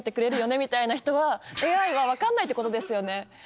はＡＩは分かんないってことですよね？